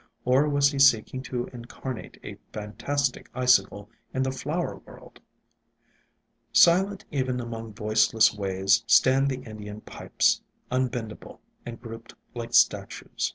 Or was he seeking to incarnate a fantastic icicle in the flower world ? Silent even among voiceless ways stand the Indian Pipes, unbendable, and grouped like statues.